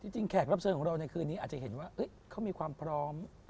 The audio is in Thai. แขกรับเชิญของเราในคืนนี้อาจจะเห็นว่าเขามีความพร้อม